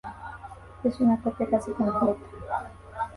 Es una copia casi completa.